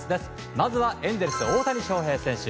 まずはエンゼルスの大谷翔平選手。